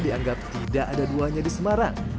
dianggap tidak ada duanya di semarang